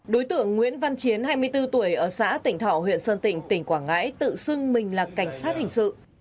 đối tượng nguyễn văn chiến hai mươi bốn tuổi ở xã tỉnh thọ huyện sơn tỉnh tỉnh quảng ngãi tự xưng mình là cảnh sát hình sự